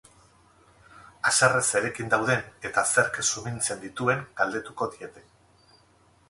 Haserre zerekin dauden eta zerk sumintzen dituen galdetuko diete.